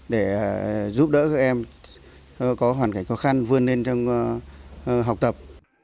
để giúp đỡ các em có hoàn cảnh khó khăn vươn lên trong học tập